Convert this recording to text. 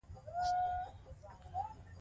د پوهنې رئيس د زده کوونکو ستاينه وکړه.